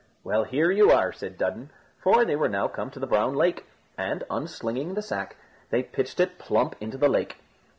"Well, here you are," said Dudden, for they were now come to the Brown Lake, and, unslinging the sack, they pitched it plump into the lake.